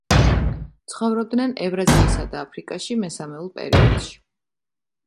ცხოვრობდნენ ევრაზიისა და აფრიკაში მესამეულ პერიოდში.